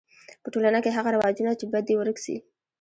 په ټولنه کی هغه رواجونه چي بد دي ورک سي.